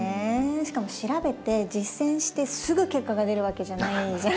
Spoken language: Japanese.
しかも調べて実践してすぐ結果が出るわけじゃないじゃないですか